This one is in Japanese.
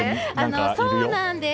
そうなんです。